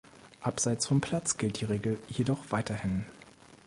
Abseits vom Platz gilt die Regel jedoch weiterhin.